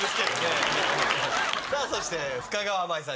さぁそして深川麻衣さん